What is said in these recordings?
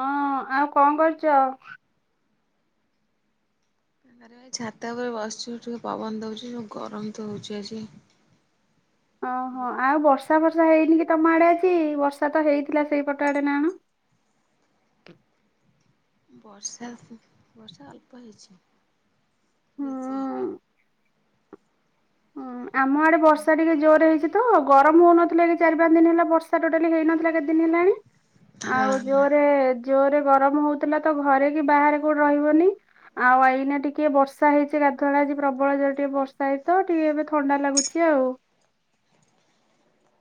ହଁ ଆଉ କଣ କରୁଛ? ରେ ଛାତା ଉପରେ ବସିଛିୁ ଟିକେ ପବନ ଦଉଛି ଗରମ ତ ହଉଛି ଆଜି ଓହୋ ଆଉ ବର୍ଷ ବର୍ଷା ବର୍ଷା ହେଇନି କି ତମ ଆଡେ ଅଛି ବର୍ଷା ତ ହେଇଥିଲା ସେଇପଟ ଆଡେ ନା ଆଣ ବର୍ଷା ବର୍ଷା ଅଳ୍ପ ହେଇଛି। ବ ସେ ହୁଁ ଆମ ଆଡେ ବର୍ଷା ଟିକେ ଜୋର ହେଇଛି। ତ ଗରମ ହଉନଥିଲା କି ଚାରି ପାଞ୍ଚ ଦିନ ହେଲା ବର୍ଷା ଟୋଟାଲି ହେଇନଥିଲା କେତେ ଦିନ ହେଲାଣି ଆଉ ହଁ। ଜୋରେ ଜୋରେ ଗରମ ହଉଥିଲା ତ ଘରେ କି ବାହାରେ କୋଉଠି ରହିବନି ଆଉ ଏଇନା ଟିକେ ବର୍ଷା ହେଇଚଛି ଗାଧୁଆଳ ଆଜି ପ୍ରବଳୋର ଟିକେ ବର୍ଷା ହେଇ ତ ଟିକେ ଏବେ ଥଣ୍ଡା ଲାଗୁଚ ଆଉ।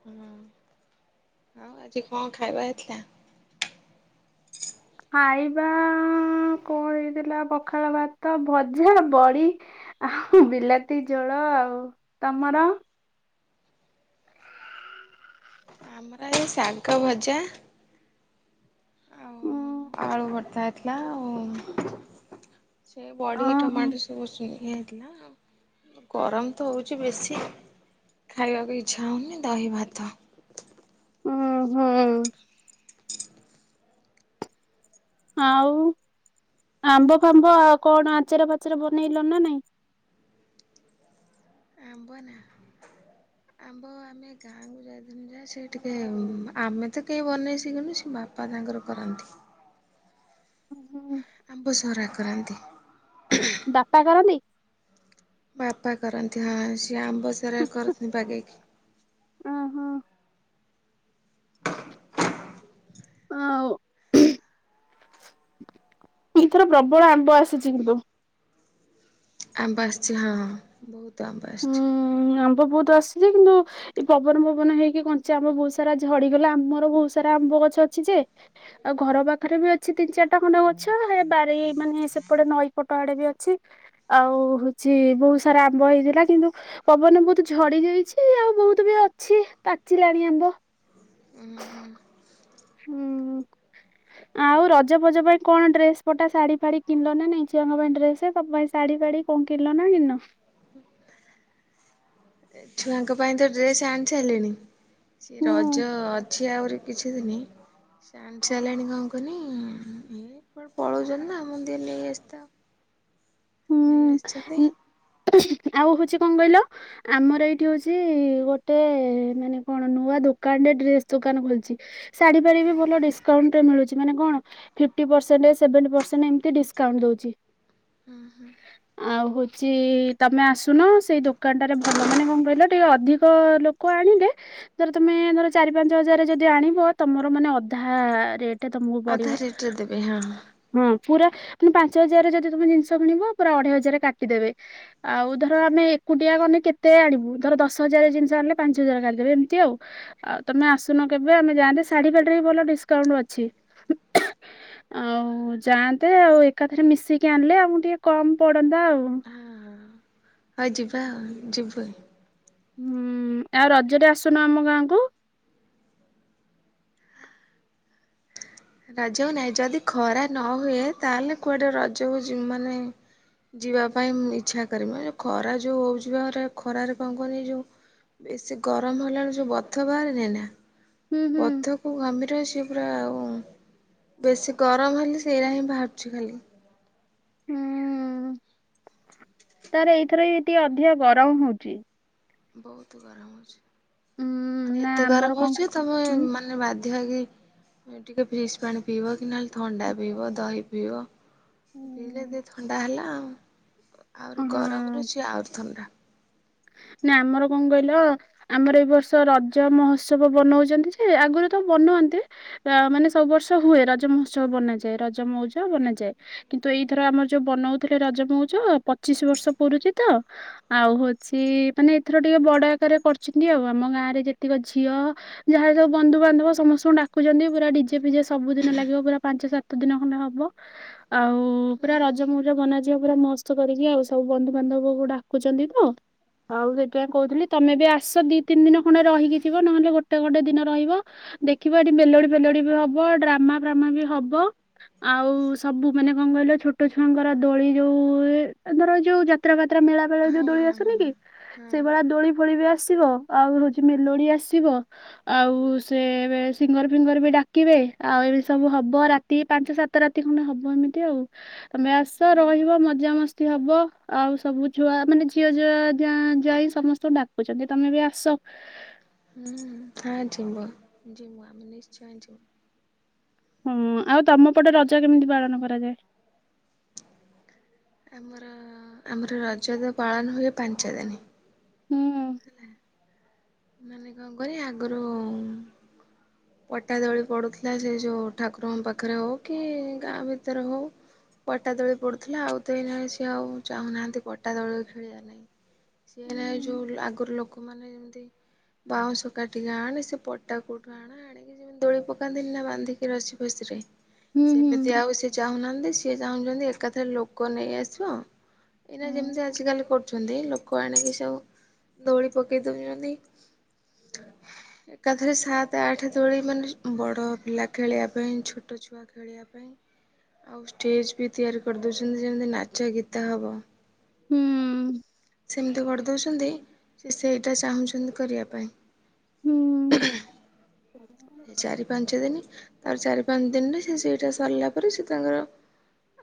ହଁ ଆଉ ଆଜି କଣ ଖାଇବା ଏଥିଲା? ଖାଇବା କଣ ହେଇଥିଲା ପଖାଳ ଭାତ ଭଜା ବଡି ଆଉ ବିଲାତି ଝୋଳ ଆଉ ତମର ଆମର ଏଇ ଶାଗ ଭଜା ଆଉ ଆଳୁ ଭର୍ତା ହେଇଥିଲା ଆଉ। ସେ ବଢି ଓହୋ ଟମାଟର ସବୁସୁ ଗରମ ତ ହଉଛି ବେଶୀ ଖାଇବାକୁ ଇଚଛା ହଉନି ଦହି ଭାତ ଉୁଁ ହୁଁ ଆଉ ଆମ୍ବ ଫାମ୍ବ ଆ କଣ ଆଚାର ଫାଚର ବନେଇଲ ନା ନାଇଁ ଆମ୍ବ ନା ଆମ୍ବ ଆମେ ଗାଁକୁ ଯାଇଥିଲୁ ଯା ସେ ଟିକେ ଆମେ ତ କେହି ବନେଇ ଶିଖୁନୁ ସେ ବାପା ତାଙ୍କର କରନ୍ତି। ହୁଁ ହୁଁଁ। ଆମ୍ବ ସହରା କରାନ୍ତି। ବାପା କରନ୍ତି। ବାପା କରନ୍ତି ହଁ। ସେ ଆମ୍ବ ସାରା କରନି ବାଗେଇକି ଆଉ ଏଥର ପ୍ରବଳ ଆମ୍ବ ଆସିଛି କିନ୍ତୁ ଆମ ବସଛି ହଁ ହଁ ବହୁତ ଆମ ହୁଁ ବାସ୍ଛି ଆମ୍ବ ବହୁତ ଆସୁଛି କିନ୍ତୁ ଏ ପବନ ପବନ ହେଇକି କଞ୍ଚ ଆମ୍ବ ବହୁତ ସାରା ଝଡିଗଲା ଆମର ବହୁତ ସାରା ଆମ୍ବ ଗଛ ଅଛି ଯେ ଆଉ ଘର ପାଖରେ ବି ଅଛି ତିନି ଚାରିଟା ଖଣ୍ଡେ ଗଛ ଏ ବାରି ମାନେ ସେପଟେ ନଈ ପଟ ଆଡେ ବି ଅଛି ଆଉ ହଉଛି ବହୁତ ସାରା ଆମ୍ବ ହେଇଥିଲା। କିନ୍ତୁ ପବନରେ ବହୁତ୍ ଝଡି ଯାଇଛି ଆଉ ବହୁତ ବି ଅଛି ପାଚିଲାଣି ଆମ୍ବ। ହୁଁ ଆଉ ରଜ ଫଜ ପାଇଁ କଣ ଡ୍ରେସ ପଟା ଶାଢୀ ଫାଢୀ କିଣିଲ ନା ନାଇଁ? ଝିଅଙ୍କ ପାଇଁ ଡ୍ରେସ ତମ ପାଇଁ ଶାଢୀ ଫାଢୀ କଣ କିଣିଲ ନା କିଣିନ? ଛୁଆଙ୍କ ପାଇଁ ତ ଡ୍ରେସ ଆଣି ସାଇଲିନି। ସେ ହୁଁ ରଜ ଅ ଅଛି ଆହୁରି କିଛି ଦିନି। ସେ ଆଣି ସାରିଲେନି କଣ କୁହନି ଏ କୁଆଡେ ପଳଉଚନ୍ତି ନା ମୁନ୍ଦିଏ ନେଇ ଆସି ଥାଅ। ହୁଁ ଊ-ଆଉ ହଉଛି କଣ କହିଲ ଆମର ଏଇଠି ହଉଛି ଗୋଟେଏ ମାନେ କଣ ନୂଆ ଦୋକାନ ଟେ ଡ୍ରେସ ଦୋକାନ ଖୋଲିଛି। ଶାଢ଼ୀ ଫାଡ଼ି ବି ଭଲ ଡିସକାଉଣ୍ଟ ରେ ମିଳୁଛି ମାନେ କଣ ଫିଫ୍ଟୀ ପର୍ସେଣ୍ଟ, ସେଭେଣ୍ଟୀ ପର୍ସେଣ୍ଟ ଏମତି ଡିସକାଉଣ୍ଟ ଦଉଚି। ହଁ ହଁ ଆହୁତ୍ ଚି-ଇଇ ତମେ ଆସୁନ ସେଇ ଦୋକାନଟାରେ ଭଲ। ମାନେ କଣ କହିଲ ଟିକେ ଅଧିକ ଲୋକ ଆଣିଲେ ଧର ତମେ ଧର ଚାରି ପାଞ୍ଚ ହଜାରରେ ଯଦି ଆଣିବ ତମର ମାନେ ଅଧାଆ ରେଟ୍ ଏଟା ତମକୁ ଅଧା ପଡିବ ରେଟରେ ଦେବେ ହଁ ହଁ ହୁଁ। ପୁରା ମାନେ ପାଞ୍ଚ ହଜାରରେ ଯଦି ତମେ ଜିନିଷ [unintelligible] ପୁରା ଅଢେଇ ହଜାର କାଟିଦେବେ। ଆଉ ଧର ଆମେ ଏକୁଟିଆ ଗନେ କେତେ ଆଣିବୁ। ଧର ଦଶ ହଜାର ଜିନିଷ ଆଣିଲେ ପାଞ୍ଚ ହଜାର କାଟି ଦେବେ। ଏମତି ଆଉ। ଆଉ ତମେ ଆସୁନ କେବେ ଆମେ ଯାଆନ୍ତେ ଶାଢୀ ଫାଡ଼ି ରେ ବି ଭଲ ଡିସକାଉଣ୍ଟ ଅଛି। ଆଉ ଯାଆନ୍ତେ ଆଉ ଏକାଥରେ ମିଶିକି ଆଣିଲେ ଆଉ ଟିକେ କମ୍ ପଡନ୍ତା ଆଉ। ହଁ। ହଉ ଯିବା ଆଉ ଯିବୁ ଆଉ। ହୁଁ ଆଉ ରଜରେ ଆସୁନ ଆମ ଗାଁକୁ? ରାଜ ନାଇଁ ଯଦି ଖରା ନ ହୁଏ ତାହେଲେ କୁଆଡେ ରଜ କୁ ଜି ମାନେ ଯିବା ପାଇଁ ଇଚ୍ଛା କରିମି। ଏ ଯଉ ଖରା ଯୋଉ ହଉଛିିବା ଖରାରେ କଣ କହୁନି ଯୋଉ ବେଶୀ ଗରମ ହେଲା ବେଳୁ ଯୋଉ ବଥ ବାହାରେନି ନା ହୁଁ ହୁଁ ବଥ କୁ ଗାମିର ସିଏ ପୁ ହ ହ ବେଶୀ ଗରମ ହେଲେ ସେଇରା ହିଁ ବାହାରୁଚି ଖାଲି। ହୁଁ ତାର ଏଇଥର ଏଇ ଟିକେ ଅଧିକା ଗରମ ହଉଚି। ବହୁତ ଗରମ ହଉଛି। ମାନେ ନା ଏତେ ଆମର ଗରମ କଣ ହଉଚି ଯେ ତମେ ହୁଁ। ମାନେ ବାଧ୍ୟ ହୋଇକି ଟିକେ ଫ୍ରିଜ୍ ପାଣି ପିଇବ କି? ନହେଲେ ଥଣ୍ଡା ପିଇବ ଦହି ପିଇବ? ପିଇଲେ ହୁଁ। ଦେ ଥଣ୍ଡା ହେଲା ଆଉ ହଁ। ଆଉରି ଗରମ ହଁ। ରୁଚି ଆଉରି ଥଣ୍ଡା। ନା ଆମର କଣ କହିଲ ଆମର ଏଇ ବର୍ଷ ରଜ ମହୋତ୍ସବ ବନଉଚ ନ୍ତି ଯେ ଆଗରୁ ତ ବନୁଆନନ୍ତି ମାନେ ସବୁ ବର୍ଷ ହୁଏ। ରଜ ମହୋତ୍ସବ ବନାଯାଏ ରଜ ମଉଜ ବନାଯାଏ। କିନ୍ତୁ ଏଇଥର ଆମର ଯୋଉ ବନଉଥିଲେ ରଜ ମଉଜ ପଚିଶ ବର୍ଷ ପଡରୁଛଚି ତ ଆଉ ହଉଛଚି ତିଇ ମାନେ ଏଥର ଟିକେ ବଡ ଆକାରରେ କରିଚନ୍ତି ଆଉ। ଆମ ଗାଁ ରେ ଯେତିକ ଝିଅ ଯାହାର ସବୁ ବନ୍ଧୁବାନ୍ଧବ ସମସ୍ତଙ୍କୁ ଡାକୁଚନ୍ତି। ପୁରା ଡିଜେ ଫିଜେ ସବୁଦିନ ଲାଗିବ ପୁରା ପାଞ୍ଚ ସାତ ଦିନ ଖଣ୍ଡେ ହବ। ଆଉ ପୁରା ରଜ ହଁ ମଉଜ ବନାଯିବ ପୁରା ମସ୍ତ କରିକି ଆଉ ସବୁ ବନ୍ଧୁବାନ୍ଧବକୁ ଡାକୁଚନ୍ତି ତ ଆଉ ସେଇଥିପାଇଁ କହୁଥିଲି ତମେ ବି ଆସ ଦି ତିନି ଦିନ ଖଣ୍ଡେ ରହିକି ଯିବ। ନହେଲେ ଗୋଟେ ଗୋଟେ ଦିନ ରହିବ ଦେଖିବ ଏଠି ମେଲୋଡି ଫେଲୋଡି ବି ହବ। ଡ୍ରାମା ଫ୍ରାମା ବି ହବ। ଆଉ ସବୁ ମାନେ କଣ କହିଲ ଛୋଟ ଛୁଆଙ୍କର ଦୋଳି ଯୋଉ ହୁଏ ଧର ଯୋଉ ଯାତ୍ରା ଫା ଏ ମେଳା ବେଳାରେ ଯୋଉ ହଁ ଦୋଳି ହଁ ଆସୁନି କି ହଁ ହଁ ସେଇଭଳିଆ ଦୋଳି ଫୋଳି ବି ଆସିବ। ଆଉ ହଉଚି ମେଲୋଡି ଆସିବ। ଆଉ ସେ ସିଙ୍ଗର୍ ଫିଙ୍ଗର୍ ବି ଡାକିବେ। ଆଉ ଏମିତି ସବୁ ହବ ରାତି ପାଞ୍ଚ ସାତ ରାତି ଖଣ୍ଡେ ହବ ଏମିତି ଆଉ। ତମେ ଆସ ରହିବ ମଜାମସ୍ତି ହବ। ଆଉ ସବୁ ଛୁଆ ମାନେ ଝିଅ ଝିଅ ଯାଁ ଯାଇ ସମସ୍ତଙ୍କୁ ଡାକୁଚନ୍ତି ତମେ ବି ଆସ। ହୁଁ ହଁ ଯମୁଁ ଯିମୁଁ ଆମେ ନିଶ୍ଚୟ ଯିମୁଁ। ହୁଁ ଆଉ ତମ ପଟେ ରଜ କେମିତି ପାଳନ କରାଯାଏ? [inaudible] ଆମର ଆମର ରଜ ତ ପାଳନ ହୁଏ ପାଞ୍ଚ ଦିନି। ହୁଁ। [inaudible] ମାନେ କଣ କରି ଆଗରୁ ଉଁ ପଟା ଦୋଳି ପଡୁଥିଲା ଯେ ସେ ଯୋଉ ଠାକୁରଙ୍କ ପାଖରେ ହଉ କି ଗାଁ ଭିତରେ ହଉ ପଟା ଦୋଳି ପଡୁଥିଲା। ଆଉ ତ ଏଇନା ସିଏ ଆଉ ଚାହୁଁନାହାନ୍ତି ପଟା ଦୋଳି ଖେଳିବା ନାକି। ସିଏ ଏଇନା ହୁଁ ଯୋଉ ଆଗରୁ ଲୋକମାନେ ଯେମିତି ବାଉଁଶକାଟିକି ଆଣେ ସେ ପଟା କୋଉଠୁ ଆଣ ଆଣିକି ଯେମିତି ଦୋଳି ପକାନ୍ତିନି ନା ବାନ୍ଧିକି ରସି ଫସିରେ। [inaudible] ହୁଁ ସେମିତି ଆଉ ସେ ଯୋ ଚାହୁଁନାହାନ୍ତି ସିଏ ଚାହୁଁଚନ୍ତି ଏକାଥରେ ଲୋକ ନେଇ ଆସିବ ଏଇ ନା ଯେମିତି ଆଜିକାଲି କ ଛନ୍ତି ଲୋକ ଆଣିକି ସବୁ ଦୋଳି ପକେଇ ଦଉଚନ୍ତି। [inaudible] ଏକାଥରେ ସାତ ଆଠ ଦୋଳି ମାନେ ବଡ ପିଲା ଖେଳିବା ପାଇଁ ଛୋଟ ଛୁଆ ଖେଳିବା ପାଇଁ। [inaudible] ଆଉ ଷ୍ଟେଜ ବି ତିଆରି କରିଦଉଚନ୍ତି ଯେମିତି ନାଚ ଗୀତା ହବ। ହୁଁ [inaudible] ସେମିତି କର ଦଉଚନ୍ତି ସେ ସେଇଟା ଚାହୁଁ ପସନ୍ଦ କରିବା ପାଇଁ। ହୁଁ [unintelligible] ସେ ଚାରି ପାଞ୍ଚ ଦିନ ତାର ଚାରି ପାଞ୍ଚ ଦିନରେ ସେ ସେଇଟା ସାରିଲା ପରେ ସେ ତାଙ୍କର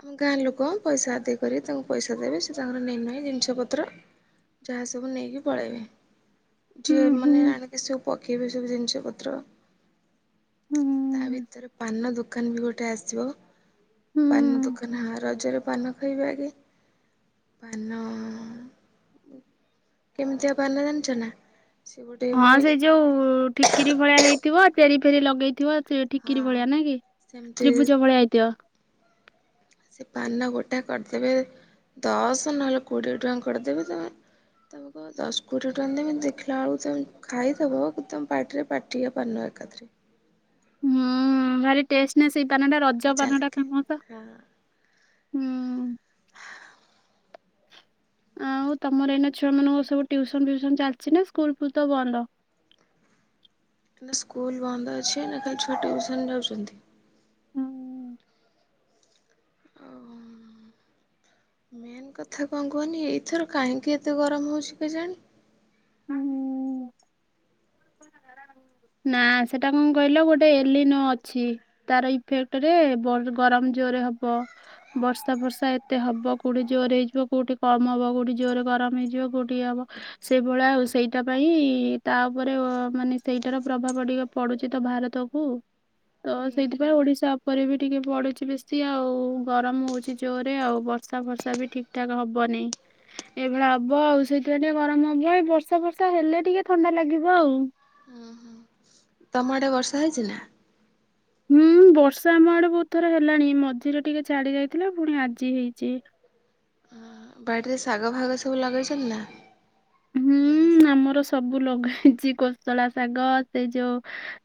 ଆମ ଗାଁ ଲୋକ ପଇସା ଆଦାୟ କରିକି ତାଙ୍କୁ ପଇସା ଦେବେ ସେ ତାଙ୍କର ନେଇ ନାଇ ଜିନିଷ ପତ୍ର ଯାହା ସବୁ ନେଇକି ପଳେଇବେ। ହୁଁ ଯିଏ ହୁଁ ହୁଁ ମାନେ ଆଣିକ ସବୁ ପକେଇବେ ସବୁ ଜିନିଷ। ପତ୍ର ତା ହୁଁ ଭିତରେ ପାନ ଦୋକାନ ବି ଗୋଟେ ଆସିବ। ପାନନ ହୁଁ ଦୋକାନ ହାର ରଜରେ ପାନ ଖଇବେ ଆଗେ ପାନ ଉଁ କେମିତିଆ ପାନ ଜାଣିଛ ନା? ସେ ଗୋଟେ ହଁ ମାନେ ସେଇ ଯୋଉ ଠିକିରି ଭଳିଆ ହେଇଥିବ। ଫେରି ଫେରି ଲଗେଇଥିବ। ସେ ହଁ ଠିକିରି ଭଳିଆ ନାକି ସେମିତି ତ୍ରିଭୁଜ ଭଳିଆ ହେଇଥିବ। ସେ ପାନ ଗୋଟା କରିଦେବେ ଦଶ ନହେଲେ କୋଡ଼ିଏ ଟଙ୍କା କରିଦେବେ ତମେ ତମେ କଇବ ଦଶ କୋଡ଼ିଏ ଟଙ୍କା ନେବେ ତମେ ଦେଖିଲା ବେଳକୁ ତମେ ଖାଇଦେବ ତମ ପାଟିରେ ପାଟିଏ ପାନ ଏକାଥରେ। [inaudible] ହୁଁ ଭାର ଟେଷ୍ଟ ନା ସେ ସେଇ ପାନ ଟା ରଜ ମଜା ପାନ ଟା ଲାଗେ ଫେମସ। ହଁ [inaudible] ହୁଁ। ଆଉ ତମର ଏଇନା ଛୁଆ ମାନଙ୍କ ସବୁୁ ଟିୟୁସନ ଫିୟୁସନ ଚାଲିଚି ନା ସ୍କୁଲ ଫୁଲ୍ ତ ବନ୍ଦ। [inaudible] ନା ସ୍କୁଲ ବନ୍ଦ ଅଛି ଏଇନା ଖାଲି ଛୁଆ ଟିୟୁସନ ଯାଉଚନ୍ତି। ହୁଁ ଆଉ [inaudible] ମେନ୍ କଥା କଣ କୁହନି ଏଇଥର କାହିଁକି ଏତେ ଗରମ ହେଉଚି କେଜାଣି? ହଁ ହୁଁ। [inaudible] ନା ସେଟା କଣ କହିଲ ଗୋଟେ ଏଲିନୋ ଅଛି ତାର ଇଫେକ୍ଟରେ ବଡ ଗରମ ଜୋରରେ ହବ। ବର୍ଷା ଫର୍ଷା ଏତେ ହବ। କୋଉଠି ଜୋର ହେଇଯିବ କୋଉଠି କମ ହବ। କୋଉଠି ଜୋରରେ ଗରମ ହେଇଯିବ। କୋଉଠି ଇଏ ହବ ସେଇଭଳିଆ ଆଉ ସେଇଟା ପାଇଁ ତା ଉପରେ ମାନେ ସେଇଟାର ପ୍ରଭାବ ଟିକେ ପଡୁଚି ତ ଭାରତକୁ। ତ ହୁଁ ସେଇଥିପାଇଁ ଓଡିଶା ଉପରେ ବି ଟିକେ ପଡୁଚି ବେଶୀ ଆଉ। ଗରମ ହଉଚି ଜୋରରେ ଆଉ। ବର୍ଷା ଫର୍ଷା ବି ଠିକ ଠାକ ହବନି ଏଇଭଳିଆ ହବ ଆଉ ସେଇଥିପାଇଁ ଟିକେ ଗରମ ହବ। ଏଇ ବର୍ଷା ଫର୍ଷା ହେଲେ ଟିକେ ଥଣ୍ଡା ଲାଗି ଆଉ [inaudible] ହୁଁ ତମ ଆଡେ ବର୍ଷା ହେଇଚି ନା? ହୁଁ ବର୍ଷା ଆମ ଆଡେ ବହୁତ ଥର ହେଲାଣି ମଝିରେ ଟିକେ ଛାଡି ଯାଇଥିଲା ପୁଣି ଆଜି ହେଇଚି। ବାଡିରେ ଶାଗ ଫାଗ ସବୁ ଲଗେଇଚନ୍ତି ନା? ହୁଁ ଆମର ସବୁ ଲଗା ହେଇଚି। କୋସଳା ଶାଗ ସେ ଯୋଉ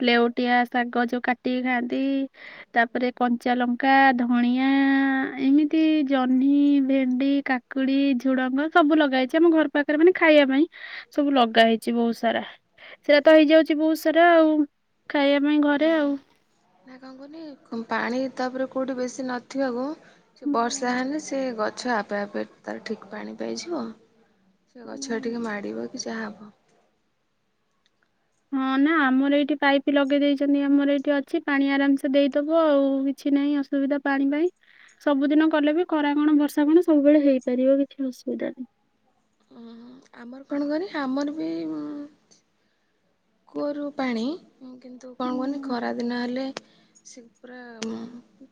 ଲେଉଟିଆ ଶାଗ ଯୋଉ କାଟିକି ଖାଆନ୍ତି। ତା ପରେ କଞ୍ଚା ଲଙ୍କା, ଧଣିଆ ଏମିତି ଜହ୍ନି, ଭେଣ୍ଡି, କାକୁଡି, ଝୁଡଙ୍ଗ ସବୁ ଲଗାଇଛି ଆମ ଘର ପାଖରେ ମାନେ ଖାଇବା ପାଇଁ ସବୁ ଲଗା ହେଇଛି ବହୁତ ସାରା ସେଟା ତ ହେଇଯାଉଛି ବହୁତ ସାରା ଆଉ ଖାଇବା ପାଇଁ ଘରେ ଆଉ। ନା କଣ ପାଣି ତାପରେ କେଉଠି ବେଶୀ ନଥିବାକୁ ସେ ବର୍ଷା ହେଲେ ସେ ଗ ଆଛା ଆପେ ଆପେ ତାର ଠିକ୍ ପାଣି ପାଇଯିବ। ସେ ଗଛ ଟିକେ ମାଡିବ କି ଯାହାବ। ଓ। ହଁ ନା ଆମର ଏଇଠି ପାଇପ ଲଗେଇ ଦେଇେଇଛନ୍ତି ଆମର ଏଇଠି ଅଛି ପାଣି ଆରାମସେ ଦେଇଦୋବୁ ଆଉ କିଛି ନାହିଁ ଅସୁବିଧା ପାଣି ପାଇଁ ସବୁଦିନ କଲେ ବି ଖରା କଣ ବର୍ଷା କଣ ସବୁବେଳେ ହେଇପାରିବ କିଛି ଅସୁବିଧା ନାହିଁ। ଆମର କଣ କରେ ଆମର ବି ମ କୂଅରୁ ପାଣି। କିନ୍ତୁ କଣ କୁହନ୍ତି ଖରା ଦିନ ହେଲେ ସେ ପୁରା ହୁଁ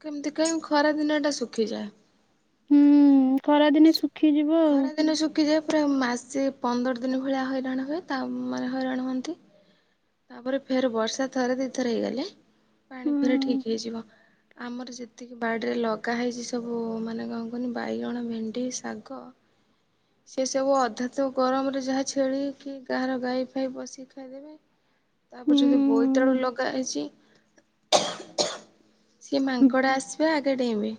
କେମିତି କାଇଁ ଖରା ଦିନ ଏଟା ଶୁଖିଯାଏ। ହୁଁ। ଖରାଦିନେ ଶୁଖିଯିବ ଆଉ। କି ଯାଏ ପୁରା ମାସେ ପନ୍ଦର ଦିନ ଭଳିଆ ହଇରାଣ ହୁଏ ତା ମାନେ ହଇରାଣ ହୁଅନ୍ତି। କି ତାପରେ ଫେର ବର୍ଷା ଥରେ ଦିଇଥର ହେଇଗଲେ। ପାଣି ଫେରେ ଠିକ୍‌ ହେଇଯିବ। ଆମର ଯେତିକି ବାଡ଼ିରେ ଲଗା ହେଇଛି ସବୁ ମାନେ କଣ କୁହନି ବାଇଗଣ ଭେଣ୍ଡି ଶାଗ ସେ ସବୁ ଅଧା ତ ଗରମରେ ଯାହା ଛେଳିକି ଗାହାର ଗାଈ ଫାଇ ପସିକି ଖାଇଦେବେ। ହୁଁ। ତାପରେ ଯଦି ବୋଇତାଳୁ ଲ କହିଛି। ସେ ମାଙ୍କଡ଼ାସି ସେ ଆଗେ ଡେଇଁବେ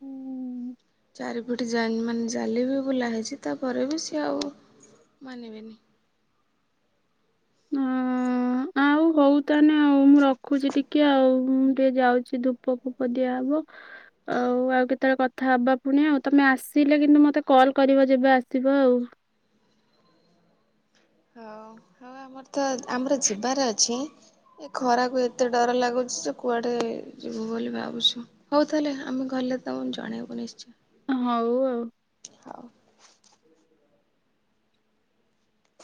ହଁ ଚାରିପଟେ ମାନେ ଜାଲିବି ବୁଲା ହେଇଛି ତାପରେ ବି ସିଏ ଆଉ ମାନିବେନି। ହୁଁ ଆଉ ହୋଉ। ତା ନେ ଆଉଁ ମୁଁ ରଖୁଚି ଟିକେ ଆଉ। ମୁଁ ଟିକେ ଯାଉଛି ଧୂପ ଫୂପ ଦିଆହବ ଆଉ ଆଉ କେତେବେଳେ କଥା ହବା ଫୁଣି ଆଉ ତମେ ଆସିଲେ କିନ୍ତୁ ମତେ କଲ କରିବ ଯେବେ ଆସିବ ଆଉ। ହଉ ହଉ ଆମର ତ ଆମର ଯିବାର ଅଛି ଏ ଖରାକୁ ଏତେ ଡର ଲାଗୁଛି ଯେ କୁଆଡେ ଯିବୁ ବୋଲି ଭାବୁଛୁ ହୋଉ ତାହେଲେ ଆମେ ଗଲେ ତମକୁ ଜଣେଇବୁ ନିଶ୍ଚୟ। ହୋଉ ଆଉ। ହଉ।